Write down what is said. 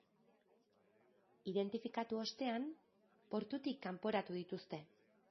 Identifikatu ostean, portutik kanporatu dituzte.